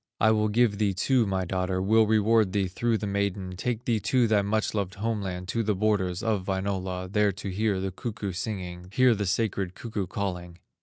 "I will give thee too my daughter, Will reward thee through the maiden, Take thee to thy much loved home land, To the borders of Wainola, There to hear the cuckoo singing, Hear the sacred cuckoo calling."